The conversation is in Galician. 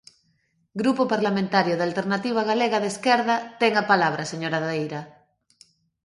Grupo Parlamentario da Alternativa Galega de Esquerda, ten a palabra a señora Daira.